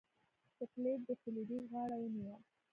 سکلیټ د فلیریک غاړه ونیوه.